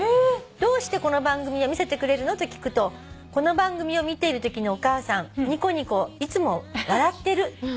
「どうしてこの番組は見せてくれるの？と聞くと『この番組を見ているときのお母さんニコニコいつも笑ってる』と言ってくれました」